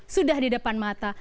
sudah di depan mata